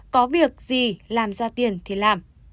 có việc gì làm ra tiền thì làm